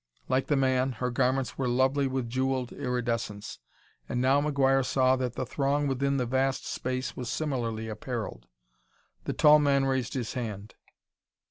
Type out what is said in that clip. Like the man, her garments were lovely with jeweled iridescence, and now McGuire saw that the throng within the vast space was similarly apparelled. The tall man raised his hand.